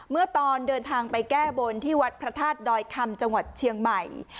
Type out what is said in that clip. เมื่อตอนเดินทางไปแก้บนที่วัดพระธาตุดอยคำจังหวัดเชียงใหม่